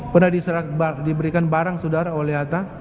pernah diberikan barang saudara oleh atta